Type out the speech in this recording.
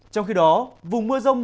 trong khi đó vùng mưa rông đẹp